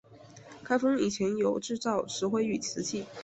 开埠以前有制造石灰与瓷器。